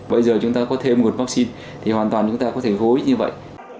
bây giờ chúng ta có thêm nguồn vaccine thì hoàn toàn chúng ta có thể gối như vậy